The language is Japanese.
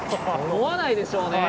思わないでしょうね。